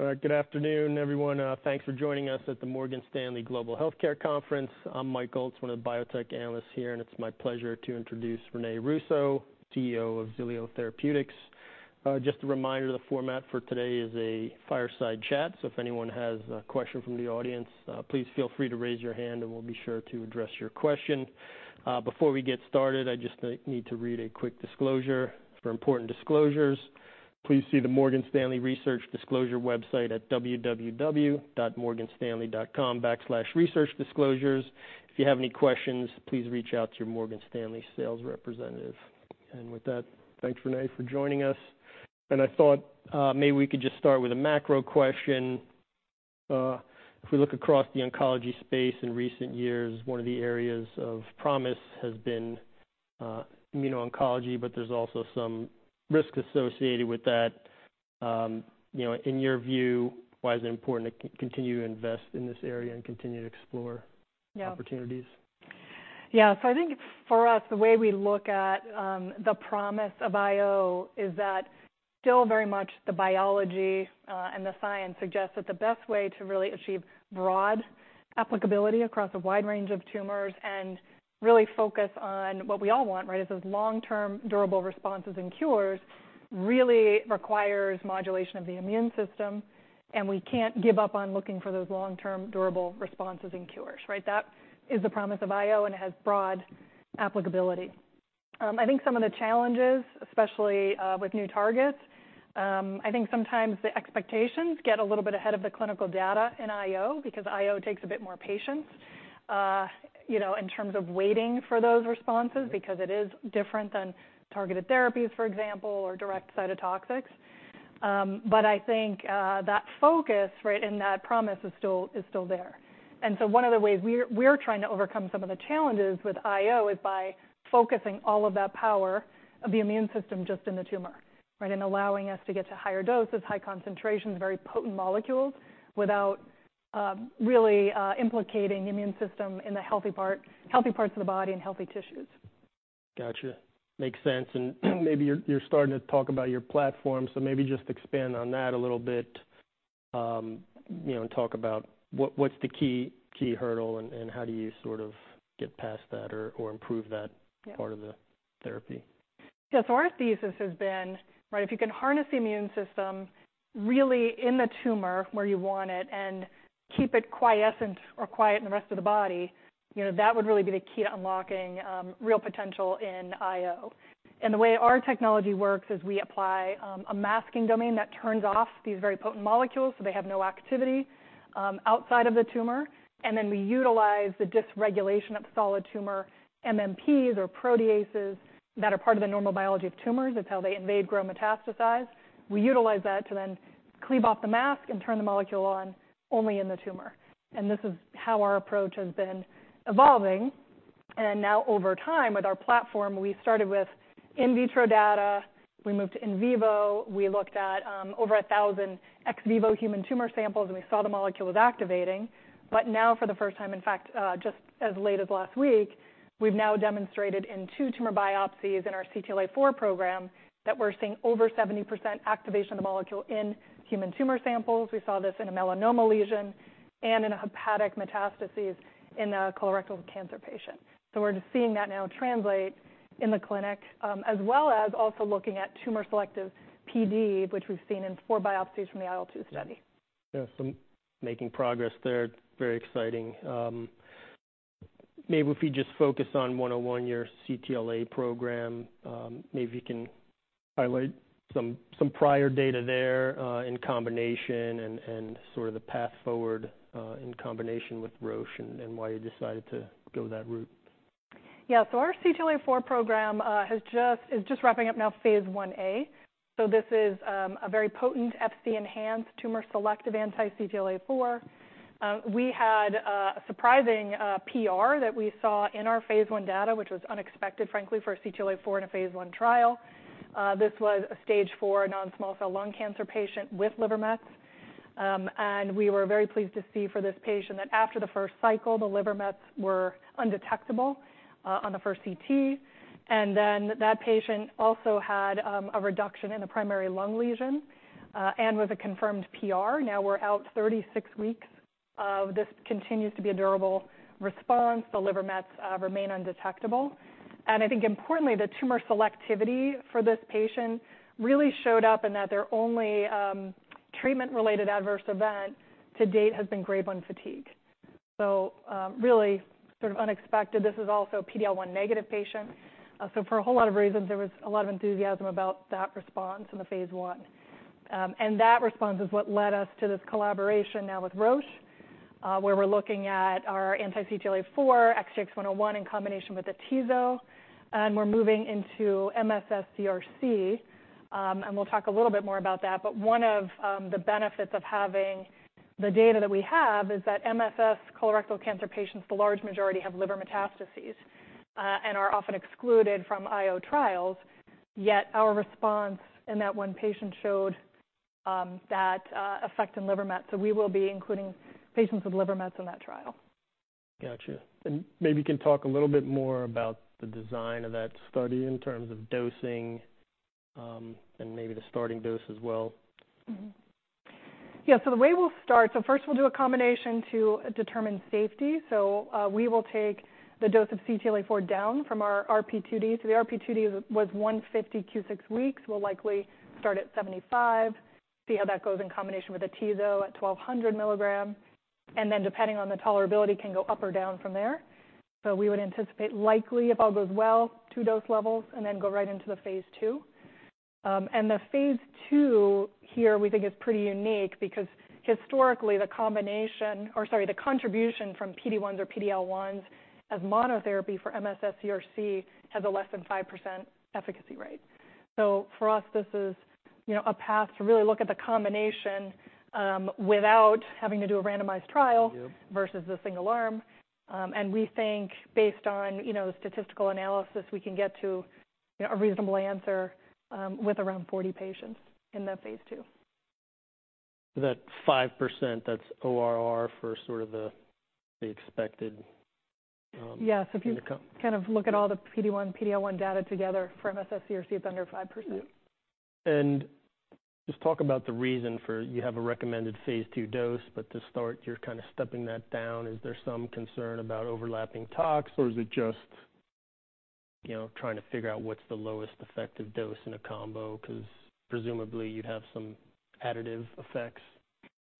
All right. Good afternoon, everyone. Thanks for joining us at the Morgan Stanley Global Healthcare Conference. I'm Mike Ulz, one of the biotech analysts here, and it's my pleasure to introduce René Russo, CEO of Xilio Therapeutics. Just a reminder, the format for today is a fireside chat, so if anyone has a question from the audience, please feel free to raise your hand, and we'll be sure to address your question. Before we get started, I just need to read a quick disclosure. For important disclosures, please see the Morgan Stanley research disclosure website at www.morganstanley.com/researchdisclosures. If you have any questions, please reach out to your Morgan Stanley sales representative. With that, thanks, René, for joining us. I thought, maybe we could just start with a macro question. If we look across the oncology space in recent years, one of the areas of promise has been immuno-oncology, but there's also some risk associated with that. You know, in your view, why is it important to continue to invest in this area and continue to explore- Yeah. Opportunities? Yeah. So I think for us, the way we look at, the promise of IO is that still very much the biology, and the science suggests that the best way to really achieve broad applicability across a wide range of tumors and really focus on what we all want, right, is those long-term durable responses and cures, really requires modulation of the immune system, and we can't give up on looking for those long-term durable responses and cures, right? That is the promise of IO, and it has broad applicability. I think some of the challenges, especially, with new targets, I think sometimes the expectations get a little bit ahead of the clinical data in IO because IO takes a bit more patience, you know, in terms of waiting for those responses because it is different than targeted therapies, for example, or direct cytotoxics. But I think that focus, right, and that promise is still, is still there. And so one of the ways we're trying to overcome some of the challenges with IO is by focusing all of that power of the immune system just in the tumor, right? And allowing us to get to higher doses, high concentrations, very potent molecules, without really implicating the immune system in the healthy part, healthy parts of the body and healthy tissues. Gotcha. Makes sense. And maybe you're starting to talk about your platform, so maybe just expand on that a little bit, you know, and talk about what's the key hurdle and how do you sort of get past that or improve that- Yeah. Part of the therapy? Yeah. So our thesis has been, right, if you can harness the immune system, really in the tumor where you want it, and keep it quiescent or quiet in the rest of the body, you know, that would really be the key to unlocking real potential in IO. And the way our technology works is we apply a masking domain that turns off these very potent molecules, so they have no activity outside of the tumor, and then we utilize the dysregulation of solid tumor MMPs or proteases that are part of the normal biology of tumors. That's how they invade, grow, metastasize. We utilize that to then cleave off the mask and turn the molecule on only in the tumor, and this is how our approach has been evolving. And now, over time, with our platform, we started with in vitro data. We moved to in vivo. We looked at over 1,000 ex vivo human tumor samples, and we saw the molecules activating. But now, for the first time, in fact, just as late as last week, we've now demonstrated in two tumor biopsies in our CTLA-4 program that we're seeing over 70% activation of the molecule in human tumor samples. We saw this in a melanoma lesion and in a hepatic metastasis in a colorectal cancer patient. So we're just seeing that now translate in the clinic, as well as also looking at tumor-selective PD, which we've seen in 4 biopsies from the IL-2 study. Yeah, so making progress there. Very exciting. Maybe if you just focus on 101, your CTLA program, maybe you can highlight some prior data there, in combination and sort of the path forward, in combination with Roche and why you decided to go that route. Yeah. So our CTLA-4 program is just wrapping up now phase I-A. So this is a very potent Fc-enhanced tumor-selective anti-CTLA-4. We had a surprising PR that we saw in our phase I data, which was unexpected, frankly, for a CTLA-4 in a phase I trial. This was a Stage IV non-small cell lung cancer patient with liver mets. And we were very pleased to see for this patient that after the first cycle, the liver mets were undetectable on the first CT, and then that patient also had a reduction in the primary lung lesion and with a confirmed PR. Now we're out 36 weeks, this continues to be a durable response. The liver mets remain undetectable. And I think importantly, the tumor selectivity for this patient really showed up in that their only treatment-related adverse event to date has been grade 1 fatigue, so really sort of unexpected. This is also PD-L1 negative patient. So for a whole lot of reasons, there was a lot of enthusiasm about that response in the phase I. And that response is what led us to this collaboration now with Roche, where we're looking at our anti-CTLA-4 XTX101 in combination with atezo, and we're moving into MSS-CRC. We'll talk a little bit more about that, but one of the benefits of having the data that we have is that MSS colorectal cancer patients, the large majority, have liver metastases, and are often excluded from IO trials, yet our response in that one patient showed that effect in liver mets. So we will be including patients with liver mets in that trial. Gotcha. And maybe you can talk a little bit more about the design of that study in terms of dosing, and maybe the starting dose as well. Yeah, so the way we'll start, so first we'll do a combination to determine safety. So, we will take the dose of CTLA-4 down from our RP2D. So the RP2D was 150 Q6 weeks. We'll likely start at 75, see how that goes in combination with atezo at 1200 mg, and then, depending on the tolerability, can go up or down from there. So we would anticipate likely, if all goes well, two dose levels, and then go right into the phase II. And the phase II here we think is pretty unique because historically, the combination, or sorry, the contribution from PD-1s or PD-L1s as monotherapy for MSS-CRC has a less than 5% efficacy rate. So for us, this is, you know, a path to really look at the combination, without having to do a randomized trial- Yep. Versus the single arm. We think based on, you know, statistical analysis, we can get to, you know, a reasonable answer with around 40 patients in that phase II. So that 5%, that's ORR for sort of the expected outcome? Yes. If you kind of look at all the PD-1, PD-L1 data together for MSS-CRC, it's under 5%. Yep. And just talk about the reason for... You have a recommended phase II dose, but to start, you're kind of stepping that down. Is there some concern about overlapping toxicities, or is it just, you know, trying to figure out what's the lowest effective dose in a combo? 'Cause presumably you'd have some additive effects.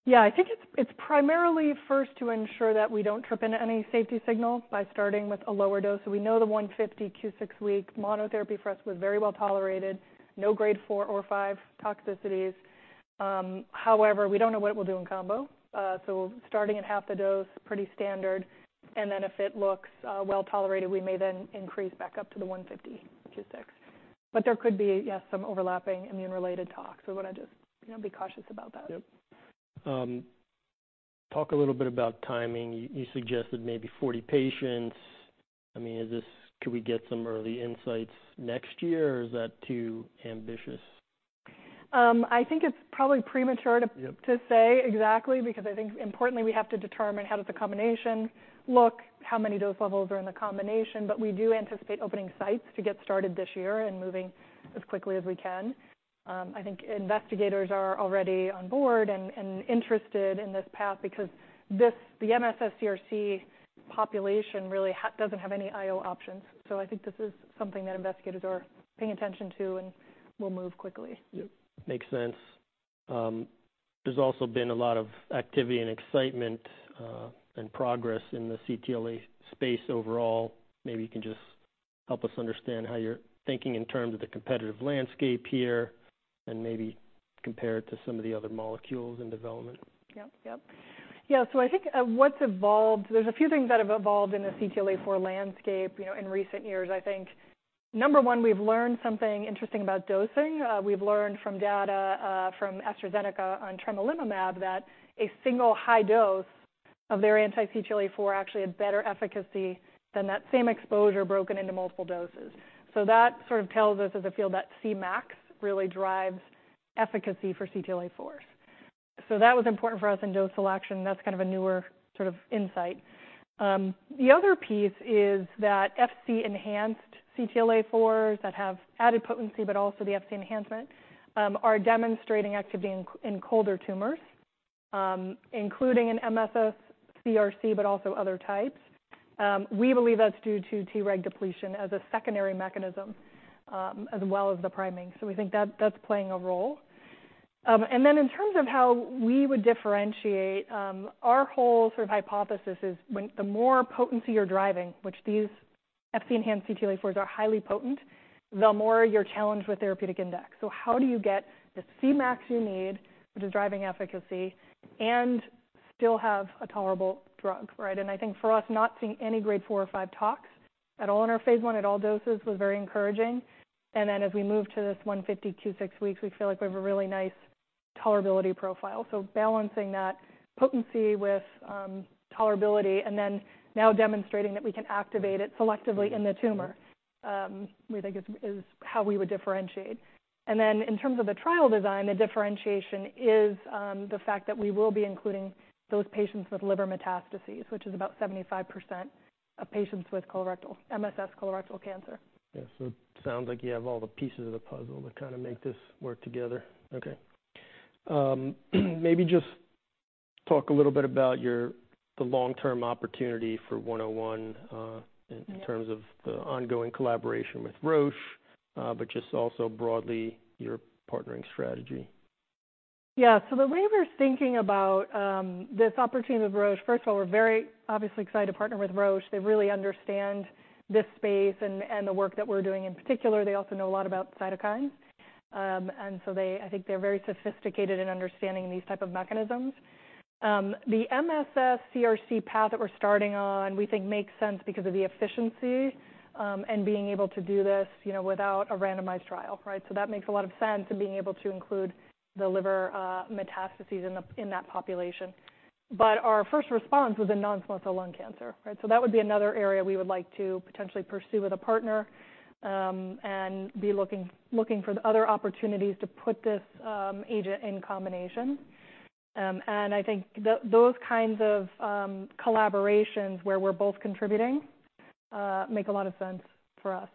Yeah, I think it's primarily first to ensure that we don't trip into any safety signals by starting with a lower dose. So we know the 150 Q6 week monotherapy for us was very well tolerated, no grade four or five toxicities. However, we don't know what it will do in combo. So starting at half the dose, pretty standard, and then if it looks well tolerated, we may then increase back up to the 150 Q6. But there could be, yes, some overlapping immune-related toxicities, so we want to just, you know, be cautious about that. Yep. Talk a little bit about timing. You suggested maybe 40 patients. I mean, is this? Can we get some early insights next year, or is that too ambitious? I think it's probably premature to- Yep To say exactly, because I think importantly, we have to determine how does the combination look, how many dose levels are in the combination. But we do anticipate opening sites to get started this year and moving as quickly as we can. I think investigators are already on board and interested in this path because this, the MSS-CRC population really doesn't have any IO options. So I think this is something that investigators are paying attention to and will move quickly. Yep, makes sense. There's also been a lot of activity and excitement, and progress in the CTLA space overall. Maybe you can just help us understand how you're thinking in terms of the competitive landscape here, and maybe compare it to some of the other molecules in development. Yep, yep. Yeah, so I think, what's evolved, there's a few things that have evolved in the CTLA-4 landscape, you know, in recent years. I think, number one, we've learned something interesting about dosing. We've learned from data, from AstraZeneca on tremelimumab, that a single high dose of their anti-CTLA-4 actually had better efficacy than that same exposure broken into multiple doses. So that sort of tells us as a field that Cmax really drives efficacy for CTLA-4s. So that was important for us in dose selection. That's kind of a newer sort of insight. The other piece is that Fc-enhanced CTLA-4s that have added potency, but also the Fc enhancement, are demonstrating activity in colder tumors, including in MSS-CRC, but also other types. We believe that's due to T-reg depletion as a secondary mechanism, as well as the priming. So we think that's playing a role. And then in terms of how we would differentiate, our whole sort of hypothesis is the more potency you're driving, which these Fc-enhanced CTLA-4s are highly potent, the more you're challenged with therapeutic index. So how do you get the Cmax you need, which is driving efficacy, and still have a tolerable drug, right? And I think for us, not seeing any grade four or five tox at all in our phase I at all doses was very encouraging. And then as we move to this 150 Q6 weeks, we feel like we have a really nice tolerability profile. So balancing that potency with tolerability and then now demonstrating that we can activate it selectively in the tumor, we think is how we would differentiate. Then in terms of the trial design, the differentiation is the fact that we will be including those patients with liver metastases, which is about 75% of patients with colorectal, MSS colorectal cancer. Yeah. So it sounds like you have all the pieces of the puzzle to kind of make this work together. Okay. Maybe just talk a little bit about your, the long-term opportunity for 101. Yeah In terms of the ongoing collaboration with Roche, but just also broadly, your partnering strategy? Yeah. So the way we're thinking about this opportunity with Roche, first of all, we're very obviously excited to partner with Roche. They really understand this space and the work that we're doing. In particular, they also know a lot about cytokines. And so they—I think they're very sophisticated in understanding these type of mechanisms. The MSS-CRC path that we're starting on, we think makes sense because of the efficiency and being able to do this, you know, without a randomized trial, right? So that makes a lot of sense, and being able to include the liver metastases in that population. But our first response was a non-small cell lung cancer, right? So that would be another area we would like to potentially pursue with a partner, and be looking for the other opportunities to put this agent in combination. And I think those kinds of collaborations where we're both contributing make a lot of sense for us.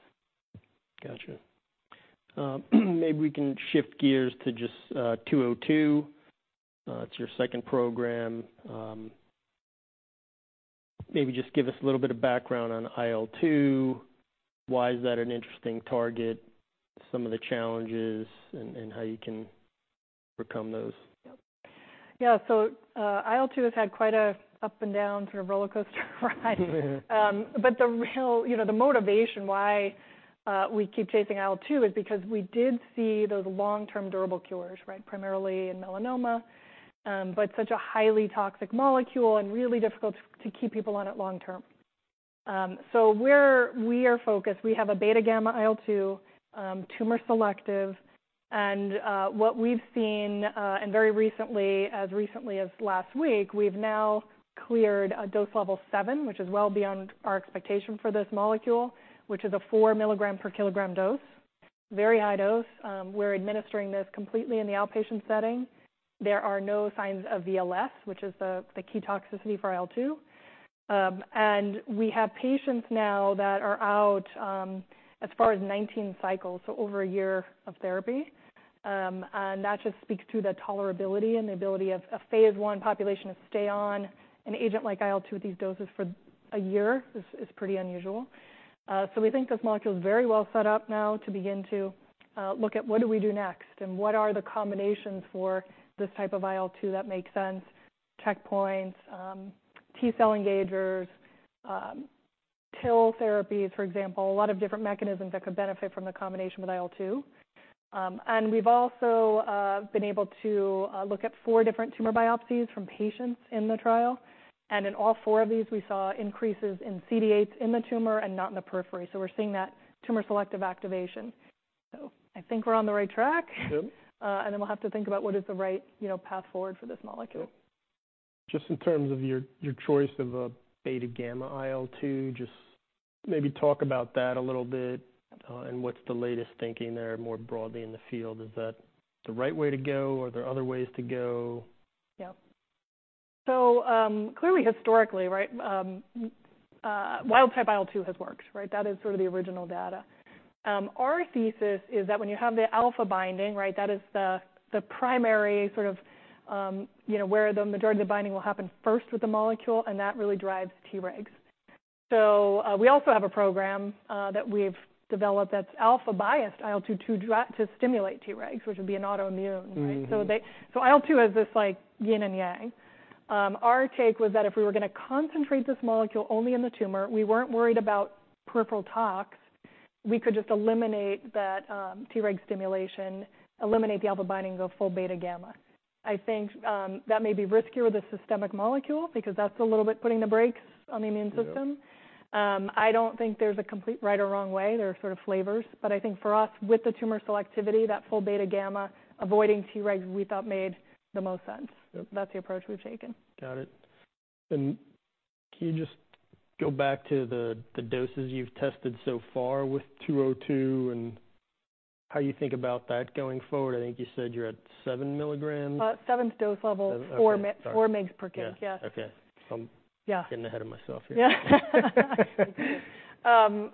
Gotcha. Maybe we can shift gears to just 202. It's your second program. Maybe just give us a little bit of background on IL-2. Why is that an interesting target? Some of the challenges and how you can overcome those. Yep. Yeah, so, IL-2 has had quite an up-and-down sort of rollercoaster ride. But the real, you know, the motivation why we keep chasing IL-2 is because we did see those long-term durable cures, right? Primarily in melanoma, but such a highly toxic molecule and really difficult to keep people on it long term. So we are focused. We have a beta gamma IL-2, tumor selective, and what we've seen, and very recently, as recently as last week, we've now cleared a dose level seven, which is well beyond our expectation for this molecule, which is a 4 mg per kg dose, very high dose. We're administering this completely in the outpatient setting. There are no signs of VLS, which is the key toxicity for IL-2. And we have patients now that are out, as far as 19 cycles, so over a year of therapy. And that just speaks to the tolerability and the ability of a phase I population to stay on an agent like IL-2 with these doses for a year is pretty unusual. So we think this molecule is very well set up now to begin to look at what do we do next, and what are the combinations for this type of IL-2 that make sense? Checkpoints, T cell engagers, TIL therapies, for example. A lot of different mechanisms that could benefit from the combination with IL-2. And we've also been able to look at four different tumor biopsies from patients in the trial, and in all four of these, we saw increases in CD8s in the tumor and not in the periphery. So we're seeing that tumor selective activation. So I think we're on the right track. Good. And then we'll have to think about what is the right, you know, path forward for this molecule. Just in terms of your choice of a beta-gamma IL-2, just maybe talk about that a little bit, and what's the latest thinking there, more broadly in the field? Is that the right way to go, or are there other ways to go? Yeah. So, clearly historically, right, wild-type IL-2 has worked, right? That is sort of the original data. Our thesis is that when you have the alpha binding, right, that is the, the primary sort of, you know, where the majority of the binding will happen first with the molecule, and that really drives Tregs. So, we also have a program that we've developed that's alpha-biased IL-2 to stimulate Tregs, which would be an autoimmune, right? So IL-2 has this, like, yin and yang. Our take was that if we were gonna concentrate this molecule only in the tumor, we weren't worried about peripheral tox, we could just eliminate that, Treg stimulation, eliminate the alpha binding, go full beta gamma. I think that may be riskier with a systemic molecule because that's a little bit putting the brakes on the immune system. Yep. I don't think there's a complete right or wrong way, there are sort of flavors. But I think for us, with the tumor selectivity, that full beta gamma, avoiding Tregs, we thought made the most sense. Yep. That's the approach we've taken. Got it. Can you just go back to the doses you've tested so with 202, and how you think about that going forward? I think you said you're at 7 mg. Seventh dose level- Seven, okay. 4 mg, 4 mg per kg, yeah. Okay. I'm- Yeah Getting ahead of myself here. Yeah.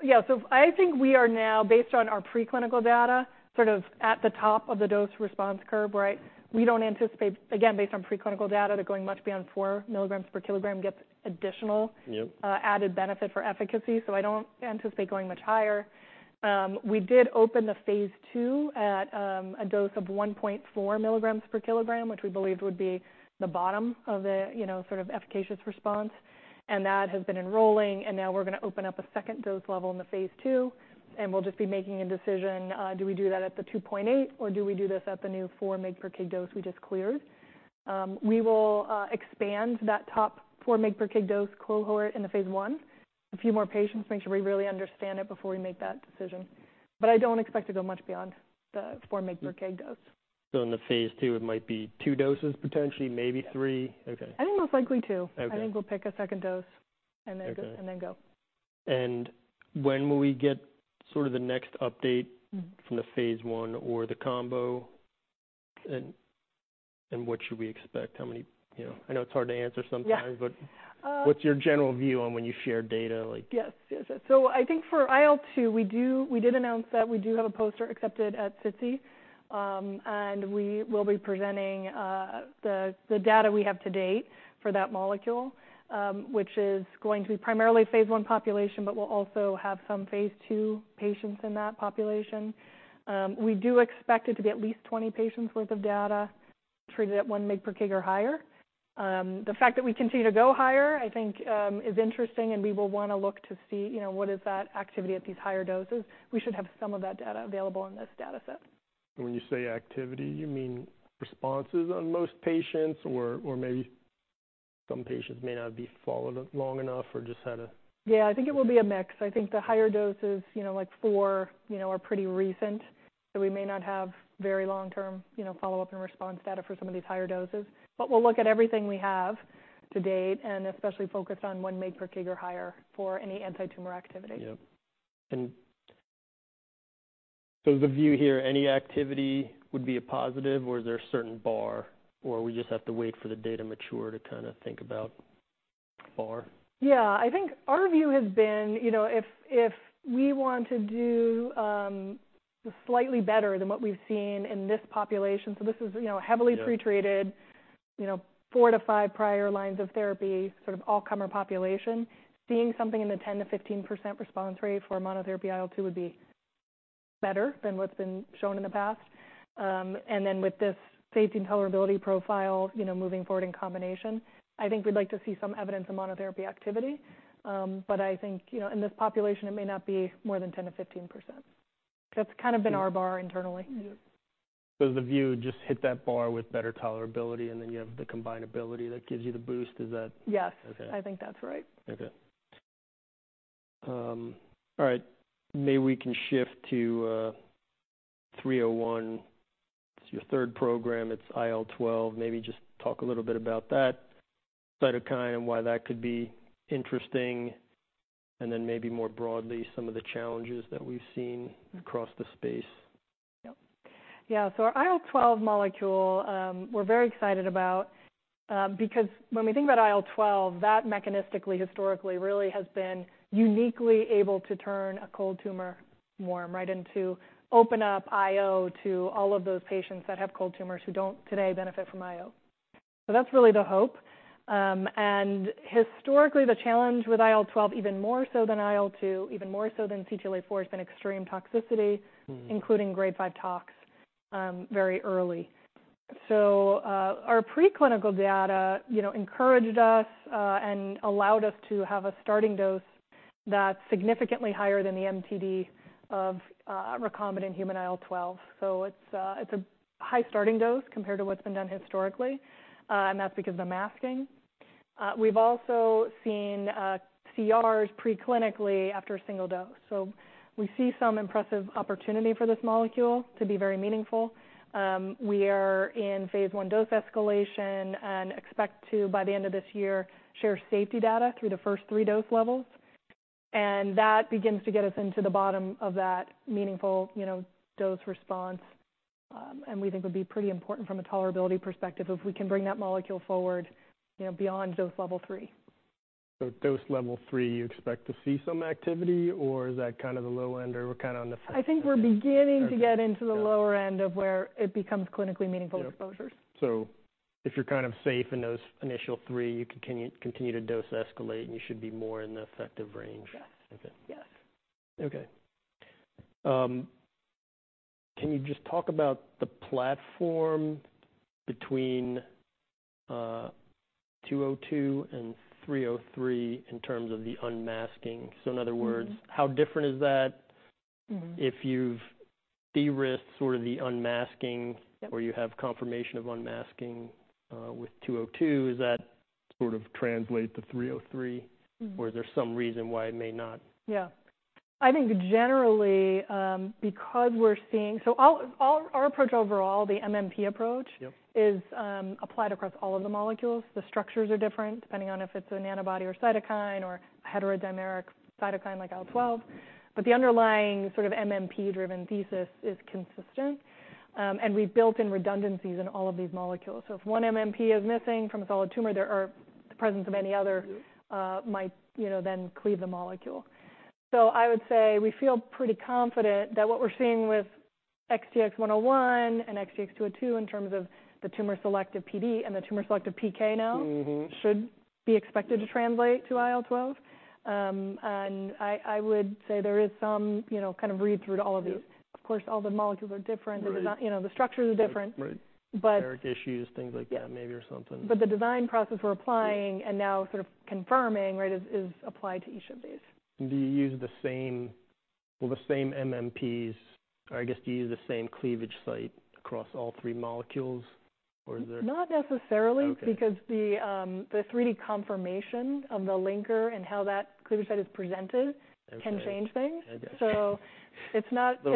Yeah, so I think we are now, based on our preclinical data, sort of at the top of the dose-response curve, right? We don't anticipate, again, based on preclinical data, that going much beyond 4 mg per kg gets additional- Yep Added benefit for efficacy, so I don't anticipate going much higher. We did open the phase II at a dose of 1.4 mg per kg, which we believed would be the bottom of the, you know, sort of efficacious response, and that has been enrolling. And now we're gonna open up a second dose level in the phase II, and we'll just be making a decision, do we do that at the 2.8, or do we do this at the new 4 mg per kg dose we just cleared? We will expand that top 4 mg per kg dose cohort in the phase I. A few more patients, make sure we really understand it before we make that decision. But I don't expect to go much beyond the 4 mg per kg dose. In the phase II, it might be two doses, potentially, maybe three? Yeah. Okay. I think most likely two. Okay. I think we'll pick a second dose and then go- Okay And then go. When will we get sort of the next update from the phase I or the combo? And, and what should we expect? How many, you know, I know it's hard to answer sometimes- Yeah But, what's your general view on when you share data like- Yes, yes. So I think for IL-2, we did announce that we do have a poster accepted at SITC, and we will be presenting the data we have to date for that molecule, which is going to be primarily phase I population, but we'll also have some phase II patients in that population. We do expect it to be at least 20 patients worth of data, treated at 1 mg per kg or higher. The fact that we continue to go higher, I think, is interesting, and we will wanna look to see, you know, what is that activity at these higher doses. We should have some of that data available in this dataset. When you say activity, you mean responses on most patients, or maybe some patients may not be followed up long enough or just had a- Yeah, I think it will be a mix. I think the higher doses, you know, like four, you know, are pretty recent, so we may not have very long-term, you know, follow-up and response data for some of these higher doses. But we'll look at everything we have to date, and especially focused on 1 mg per kg or higher for any anti-tumor activity. Yep. And so the view here, any activity would be a positive, or is there a certain bar, or we just have to wait for the data mature to kind of think about? Yeah, I think our view has been, you know, if, if we want to do, slightly better than what we've seen in this population, so this is, you know- Yeah Heavily pre-treated, you know, four to five prior lines of therapy, sort of all-comer population. Seeing something in the 10%-15% response rate for monotherapy IL-2 would be better than what's been shown in the past. And then with this safety and tolerability profile, you know, moving forward in combination, I think we'd like to see some evidence of monotherapy activity. But I think, you know, in this population, it may not be more than 10%-15%. That's kind of been our bar internally. Yeah. So the view, just hit that bar with better tolerability, and then you have the combinability that gives you the boost, is that- Yes. Okay. I think that's right. Okay. All right. Maybe we can shift to 301. It's your third program. It's IL-12. Maybe just talk a little bit about that cytokine and why that could be interesting, and then maybe more broadly, some of the challenges that we've seen across the space. Yep. Yeah, so our IL-12 molecule, we're very excited about, because when we think about IL-12, that mechanistically, historically, really has been uniquely able to turn a cold tumor warm, right? And to open up IO to all of those patients that have cold tumors who don't today benefit from IO. So that's really the hope. And historically, the challenge with IL-12, even more so than IL-2, even more so than CTLA-4, has been extreme toxicity including grade 5 tox, very early. So, our preclinical data, you know, encouraged us, and allowed us to have a starting dose that's significantly higher than the MTD of, recombinant human IL-12. So it's, it's a high starting dose compared to what's been done historically, and that's because the masking. We've also seen, CRs preclinically after a single dose. So we see some impressive opportunity for this molecule to be very meaningful. We are in phase I dose escalation and expect to, by the end of this year, share safety data through the first three dose levels, and that begins to get us into the bottom of that meaningful, you know, dose response. And we think would be pretty important from a tolerability perspective if we can bring that molecule forward, you know, beyond dose level three. So dose level three, you expect to see some activity, or is that kind of the low end, or we're kind of on the- I think we're beginning to get- Okay, yeah Into the lower end of where it becomes clinically meaningful exposures. Yeah. So if you're kind of safe in those initial three, you can continue, continue to dose escalate, and you should be more in the effective range. Yes. Okay. Yes. Okay. Can you just talk about the platform between 202 and 303 in terms of the unmasking? In other words, how different is that? If you've de-risked sort of the unmasking- Yep Or you have confirmation of unmasking, with 202, does that sort of translate to 303? Or is there some reason why it may not? Yeah. I think generally, because we're seeing... So all our approach overall, the MMP approach- Yep... is applied across all of the molecules. The structures are different, depending on if it's an antibody or cytokine or heterodimeric cytokine like IL-12. But the underlying sort of MMP-driven thesis is consistent, and we've built in redundancies in all of these molecules. So if one MMP is missing from a solid tumor, there are the presence of any other- Yep Might, you know, then cleave the molecule. So I would say we feel pretty confident that what we're seeing with XTX101 and XTX202, in terms of the tumor-selective PD and the tumor-selective PK now should be expected to translate to IL-12. I would say there is some, you know, kind of readthrough to all of these. Yeah. Of course, all the molecules are different. Right. But it's not, you know, the structures are different. Right. But- Steric issues, things like that- Yeah Maybe or something. The design process we're applying- Yeah And now sort of confirming, right, is applied to each of these. Do you use the same, well, the same MMPs, or I guess, do you use the same cleavage site across all three molecules, or is there? Not necessarily. Okay. Because the, the 3D conformation of the linker and how that cleavage site is presented- Okay Can change things. Okay. So it's not a,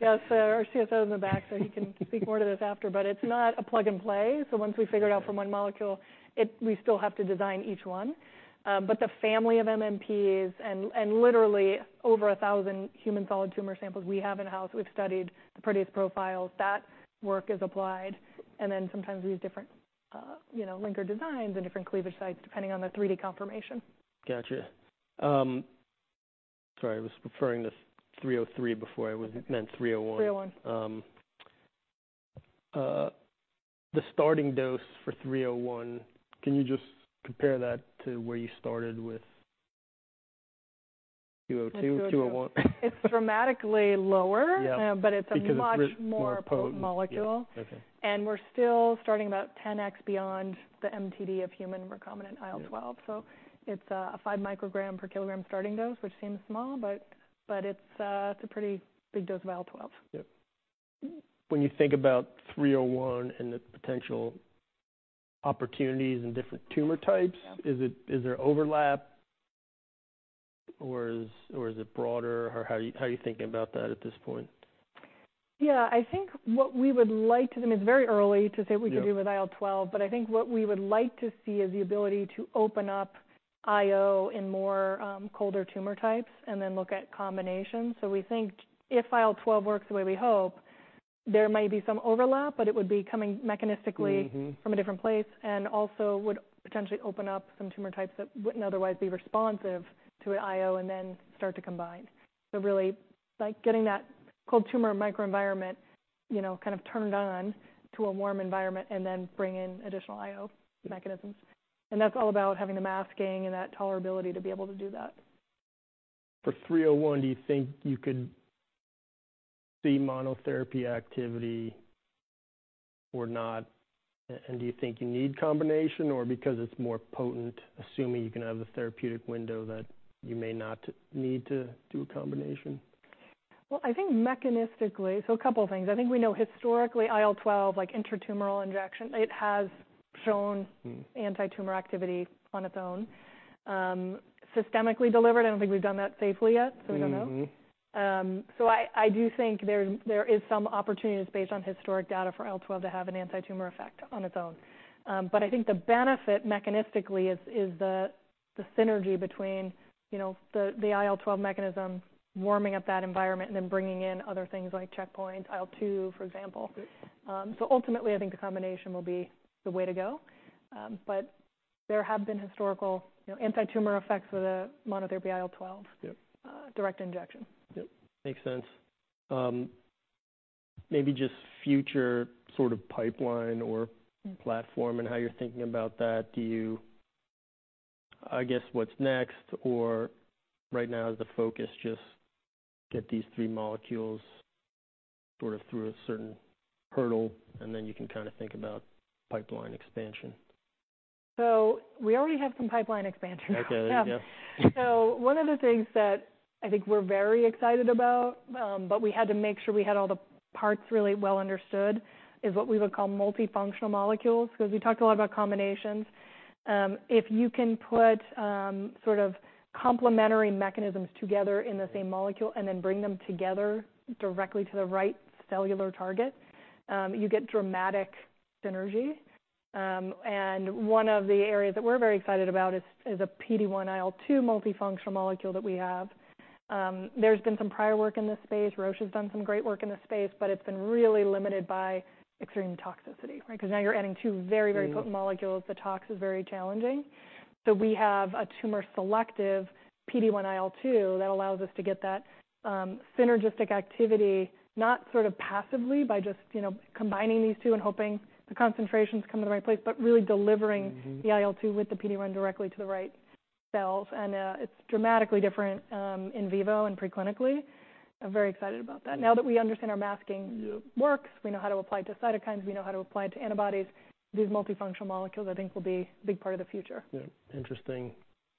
yes, our CSO is in the back, so he can speak more to this after. But it's not a plug-and-play, so once we figure it out from one molecule, it—we still have to design each one. But the family of MMPs and literally over 1,000 human solid tumor samples we have in-house, we've studied the protease profiles. That work is applied, and then sometimes we use different, you know, linker designs and different cleavage sites, depending on the 3D conformation. Gotcha. Sorry, I was referring to 303 before. I meant 301. 301. The starting dose for 301, can you just compare that to where you started with 202? 202 201? It's dramatically lower- Yeah But it's a much- Because it's more potent. More potent molecule. Yes. Okay. We're still starting about 10x beyond the MTD of human recombinant IL-12. Yeah. So it's a 5 mcg per kg starting dose, which seems small, but it's a pretty big dose of IL-12. Yep. When you think about 301 and the potential opportunities in different tumor types- Yep Is it, is there overlap, or is it broader? Or how are you thinking about that at this point? Yeah, I think what we would like to do, and it's very early to say- Yep Qhat we can do with IL-12, but I think what we would like to see is the ability to open up IO in more colder tumor types and then look at combinations. So we think if IL-12 works the way we hope... There may be some overlap, but it would be coming mechanistically from a different place, and also would potentially open up some tumor types that wouldn't otherwise be responsive to an IO and then start to combine. So really, like getting that cold tumor microenvironment, you know, kind of turned on to a warm environment and then bring in additional IO mechanisms. And that's all about having the masking and that tolerability to be able to do that. For 301, do you think you could see monotherapy activity or not? And do you think you need combination, or because it's more potent, assuming you can have the therapeutic window, that you may not need to do a combination? Well, I think mechanistically... So a couple things. I think we know historically, IL-12, like intratumoral injection, it has shown antitumor activity on its own. Systemically delivered, I don't think we've done that safely yet, so we don't know. So I do think there is some opportunities based on historic data for IL-12 to have an antitumor effect on its own. But I think the benefit mechanistically is the synergy between, you know, the IL-12 mechanism, warming up that environment and then bringing in other things like checkpoint IL-2, for example. Good. So ultimately, I think the combination will be the way to go. But there have been historical, you know, antitumor effects with a monotherapy IL-12- Yep. Direct injection. Yep, makes sense. Maybe just future sort of pipeline or platform, and how you're thinking about that. Do you-- I guess, what's next, or right now is the focus just get these three molecules sort of through a certain hurdle, and then you can kinda think about pipeline expansion? We already have some pipeline expansion. Okay. Yeah. So one of the things that I think we're very excited about, but we had to make sure we had all the parts really well understood, is what we would call multifunctional molecules, 'cause we talked a lot about combinations. If you can put, sort of complementary mechanisms together in the same molecule and then bring them together directly to the right cellular target, you get dramatic synergy. And one of the areas that we're very excited about is a PD-1/IL-2 multifunctional molecule that we have. There's been some prior work in this space. Roche has done some great work in this space, but it's been really limited by extreme toxicity, right? Because now you're adding two very, very potent molecules. The tox is very challenging. So we have a tumor-selective PD-1 IL-2 that allows us to get that, synergistic activity, not sort of passively, by just, you know, combining these two and hoping the concentrations come to the right place, but really delivering the IL-2 with the PD-1 directly to the right cells. It's dramatically different in vivo and preclinically. I'm very excited about that. Now that we understand our masking- Yep. Works, we know how to apply it to cytokines, we know how to apply it to antibodies. These multifunctional molecules, I think, will be a big part of the future. Yeah. Interesting.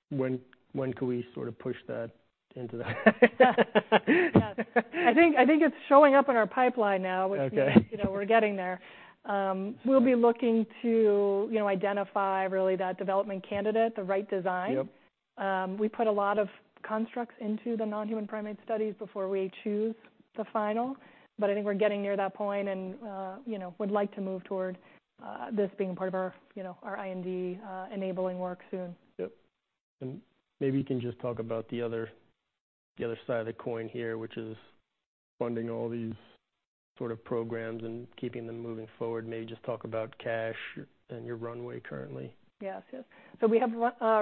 When, when can we sort of push that into that? Yes. Yes. I think, I think it's showing up in our pipeline now, which- Okay You know, we're getting there. We'll be looking to, you know, identify really that development candidate, the right design. Yep. We put a lot of constructs into the non-human primate studies before we choose the final, but I think we're getting near that point and, you know, would like to move toward this being part of our, you know, our IND enabling work soon. Yep. And maybe you can just talk about the other, the other side of the coin here, which is funding all these sort of programs and keeping them moving forward. Maybe just talk about cash and your runway currently. Yes. Yes. So we have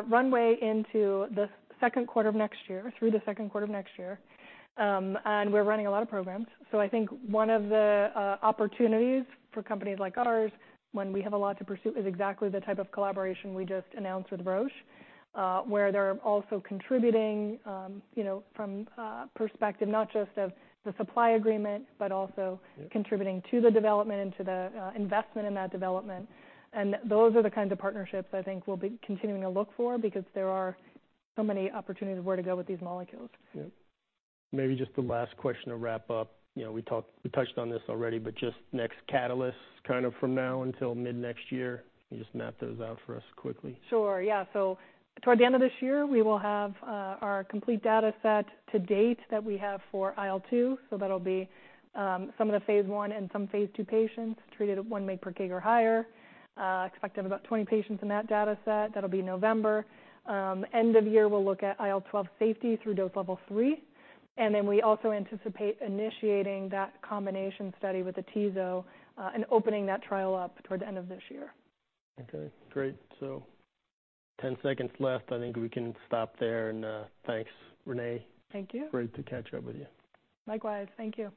runway into the second quarter of next year, through the second quarter of next year. And we're running a lot of programs. So I think one of the opportunities for companies like ours when we have a lot to pursue, is exactly the type of collaboration we just announced with Roche. Where they're also contributing, you know, from a perspective not just of the supply agreement, but also- Yep Contributing to the development and to the, investment in that development. Those are the kinds of partnerships I think we'll be continuing to look for, because there are so many opportunities where to go with these molecules. Yep. Maybe just the last question to wrap up. You know, we talked, we touched on this already, but just next catalysts, kind of from now until mid-next year, can you just map those out for us quickly? Sure. Yeah. So toward the end of this year, we will have our complete data set to date that we have for IL-2. So that'll be some of the phase I and some phase II patients treated at 1 mg per kg or higher. Expect to have about 20 patients in that data set. That'll be November. End of year, we'll look at IL-12 safety through dose level 3, and then we also anticipate initiating that combination study with the atezo and opening that trial up toward the end of this year. Okay, great. So 10 seconds left. I think we can stop there. And, thanks, René. Thank you. Great to catch up with you. Likewise. Thank you.